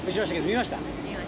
見ました？